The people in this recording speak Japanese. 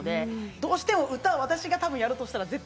どうしても私がたぶんやるとしたら絶対。